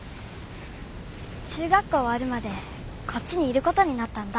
中学校終わるまでこっちにいることになったんだ。